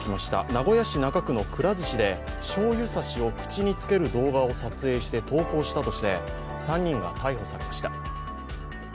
名古屋市中区のくら寿司でしょうゆ差しを口につける動画を投稿したとして３人が逮捕されました。